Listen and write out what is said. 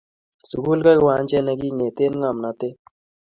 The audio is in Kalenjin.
sukul ko kiwanjet ne kingetee ngomnotet